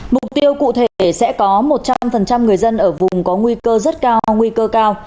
mục tiêu cụ thể sẽ có một trăm linh người dân ở vùng có nguy cơ rất cao nguy cơ cao